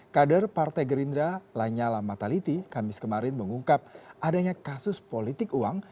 kader partai gerindra lanyala mataliti kamis kemarin mengungkap adanya kasus politik uang